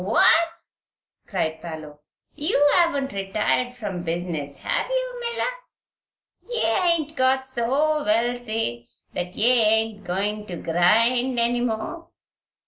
what?" cried Parloe. "You haven't retired from business; have you, miller? Ye ain't got so wealthy that ye ain't goin' to grind any more?"